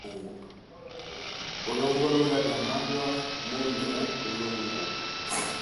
Ulongolola byamalwa munwe mwilungu.